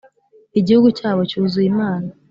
Igihugu cyabo cyuzuye imana